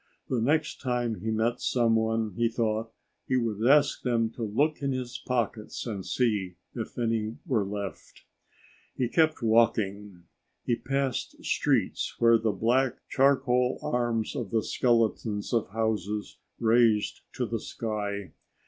The next time he met someone, he thought, he would ask them to look in his pockets and see if any were left. He kept walking. He passed streets where the black, charcoal arms of the skeletons of houses raised to the sky.